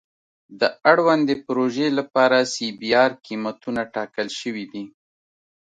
د اړوندې پروژې لپاره سی بي ار قیمتونه ټاکل شوي دي